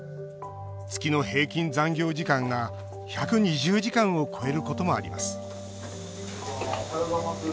月の平均残業時間が１２０時間を超えることもあります